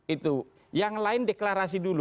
itu yang lain deklarasi dulu